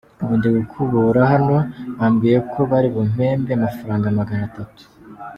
Ubu ndi gukubura hano bambwiye ko bari bumpembe amafaranga magana atatu.